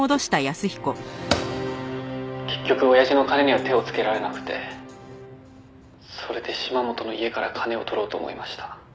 「結局おやじの金には手をつけられなくてそれで島本の家から金を取ろうと思いました」